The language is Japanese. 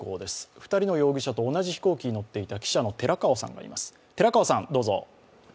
２人の容疑者と同じ飛行機に乗っていた記者の寺川さんがいます。